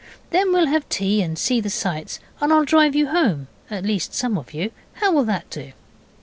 Then we'll have tea and see the sights, and I'll drive you home at least some of you. How will that do?